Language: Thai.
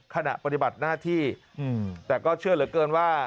ขณะปฏิบัติหน้าที่แต่ก็เชื่อเหลือเกินว่า